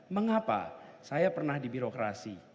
mengapa saya pernah di birokrasi